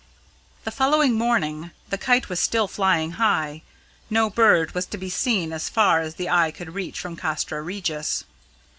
The following morning, the kite was still flying high, no bird was to be seen as far as the eye could reach from Castra Regis.